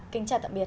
kính chào tạm biệt